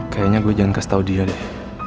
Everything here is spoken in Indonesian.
kayaknya gue jangan kasih tau dia deh